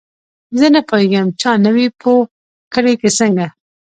زه نه پوهیږم چا نه وې پوه کړې که څنګه.